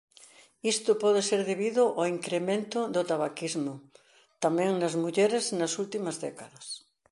Isto pode ser debido ao incremento do tabaquismo tamén nas mulleres nas últimas décadas.